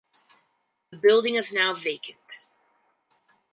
The building is now vacant.